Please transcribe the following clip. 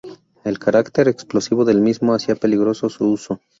El carácter explosivo del mismo hacía peligroso su uso.